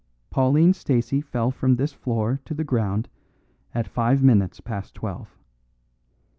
Pauline Stacey fell from this floor to the ground at five minutes past twelve.